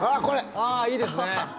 ああいいですね